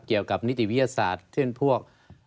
เกี่ยวกับนิติวิทยาศาสตร์ที่เป็นพวก